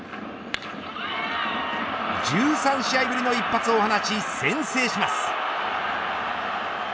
１３試合ぶりの一発を放ち先制します。